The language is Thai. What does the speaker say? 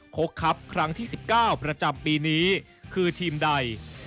คกครับครั้งที่๑๙ประจำปีนี้คือทีมใด